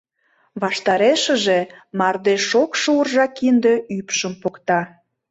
Ваштарешыже мардеж шокшо уржа кинде ӱпшым покта.